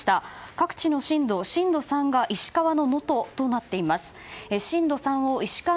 各地の震度震度３が石川の能登となっています。